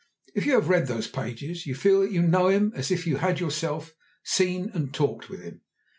If you have read those pages, you feel that you know him as if you had yourself seen and talked with him.